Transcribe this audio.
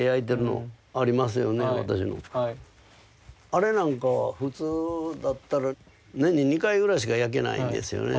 あれなんかは普通だったら年に２回ぐらいしか焼けないんですよね。